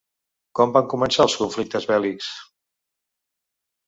Com van començar els conflictes bèl·lics?